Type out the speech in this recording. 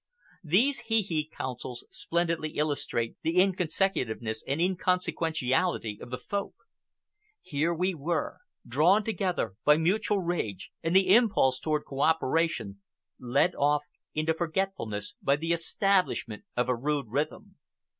These hee hee councils splendidly illustrate the inconsecutiveness and inconsequentiality of the Folk. Here were we, drawn together by mutual rage and the impulse toward cooperation, led off into forgetfulness by the establishment of a rude rhythm.